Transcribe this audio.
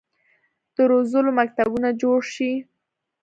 د روزلو مکتبونه جوړ شي.